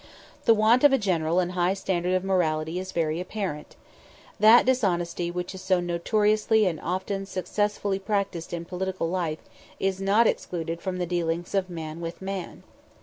The want of a general and high standard of morality is very apparent. That dishonesty which is so notoriously and often successfully practised in political life is not excluded from the dealings of man with man.